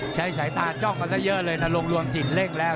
ใช้สายตาจ้องกันซะเยอะเลยนรงรวมจิตเร่งแล้ว